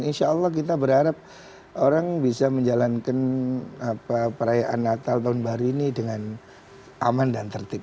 insya allah kita berharap orang bisa menjalankan perayaan natal tahun baru ini dengan aman dan tertib